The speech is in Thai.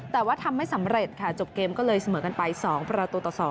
แต่ว่าทำไม่สำเร็จค่ะจบเกมก็เลยเสมอกันไป๒ประตูต่อ๒